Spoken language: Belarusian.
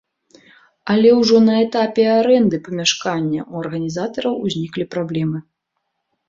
Але ўжо на этапе арэнды памяшкання ў арганізатараў узніклі праблемы.